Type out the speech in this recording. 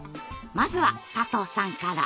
まずは佐藤さんから。